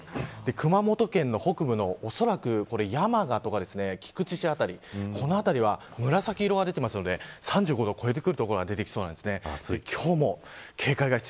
熊本県の北部のおそらくヤマガとか菊池市辺りこの辺りは紫色が出ているので３５度を超える所が出てきそうです。